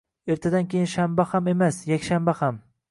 Ertadan keyin shanba ham emas, yakshanba ham